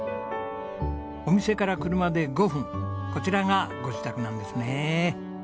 お店から車で５分こちらがご自宅なんですね。